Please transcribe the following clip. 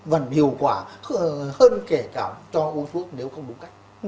vẫn hiệu quả hơn kể cả cho úc quốc nếu không đúng cách